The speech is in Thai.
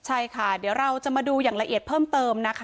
ใช่ค่ะเดี๋ยวเราจะมาดูอย่างละเอียดเพิ่มเติมนะคะ